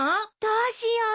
どうしよう。